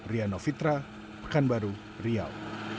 riano fitra pekanbaru riau